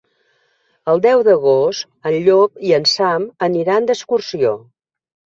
El deu d'agost en Llop i en Sam aniran d'excursió.